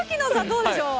どうでしょう？